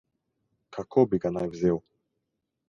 Kako bi ga naj vzel?